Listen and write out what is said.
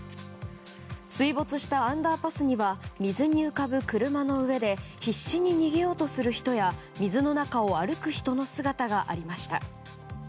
水没したアンダーパスには水に浮かぶ車の上で必死に逃げようとする人や水の中を歩く人の姿がありました。